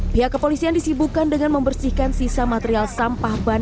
pihak kepolisian disibukan dengan membersihkan sisa material sampah ban